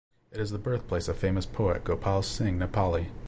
It is the birthplace of famous poet Gopal Singh Nepali.